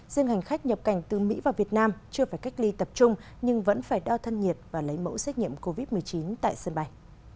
riêng hành khách nhập cảnh từ mỹ vào việt nam chưa phải cách ly tập trung nhưng vẫn phải đo thân nhiệt và lấy mẫu xét nghiệm covid một mươi chín tại sân bay